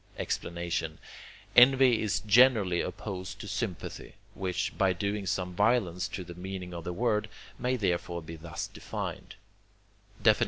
Explanation Envy is generally opposed to sympathy, which, by doing some violence to the meaning of the word, may therefore be thus defined: XXIV.